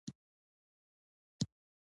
بریالیتوب د خوشالۍ لپاره کونجي نه ده.